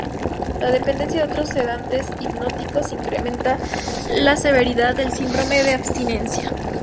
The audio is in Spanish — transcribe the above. La dependencia de otros sedantes hipnóticos incrementa la severidad del síndrome de abstinencia.